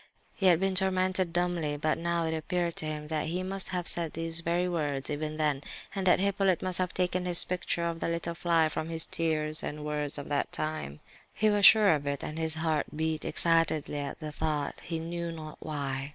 He had been tormented dumbly; but now it appeared to him that he must have said these very words—even then—and that Hippolyte must have taken his picture of the little fly from his tears and words of that time. He was sure of it, and his heart beat excitedly at the thought, he knew not why.